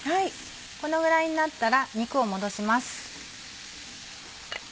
このぐらいになったら肉を戻します。